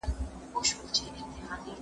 اعزاز د ښو اخلاقو پایله ده.